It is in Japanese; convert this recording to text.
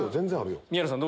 宮野さん